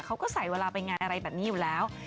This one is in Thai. เขาก็ใส่เวลาไปงานอะไรแบบนี้อยู่แล้ว